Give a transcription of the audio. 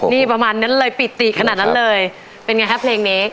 นี่ประมาณนั้นเลยปิติขนาดนั้นเลยเป็นไงครับเพลงนี้